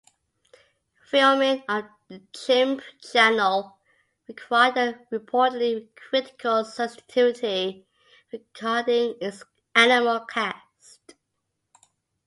Filming of "The Chimp Channel" required a reportedly critical sensitivity regarding its animal cast.